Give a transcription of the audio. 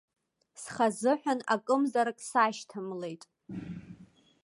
Схазыҳәан акымзарак сашьҭамлеит.